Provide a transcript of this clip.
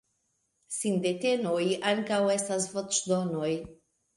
Sindetenoj ankaŭ estas voĉdonoj.